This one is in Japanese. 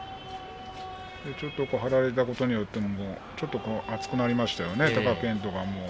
ちょっと張られたことによって熱くなりましたね、貴健斗が。